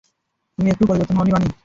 তুমি একটুও পরিবর্তন হও নি, বানি।